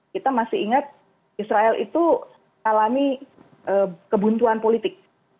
kita masih ingat israel itu alami kebuntuan politik